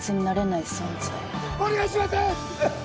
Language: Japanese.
お願いします！